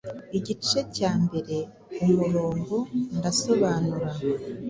Igice cya mbere umurongo Ndasobanura